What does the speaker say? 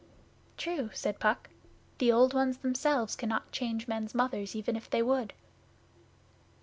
'True,' said Puck. 'The Old Ones themselves cannot change men's mothers even if they would.